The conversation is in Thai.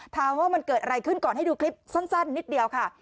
ถามว่ามันเกิดอะไรขึ้นก่อนให้ดูคลิปสั้นนิดเดียวค่ะ